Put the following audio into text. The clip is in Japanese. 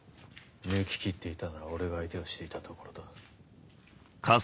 抜ききっていたなら俺が相手をしていたところだ。